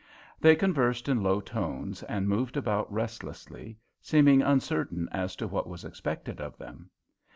They conversed in low tones and moved about restlessly, seeming uncertain as to what was expected of them.